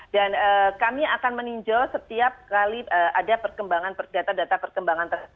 dan kami akan meninjau setiap kali ada perkembangan data perkembangan tersebut